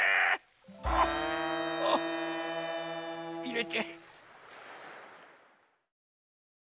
ああいれて。